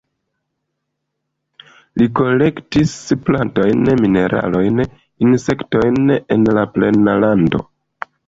Li kolektis plantojn, mineralojn, insektojn en la plena lando.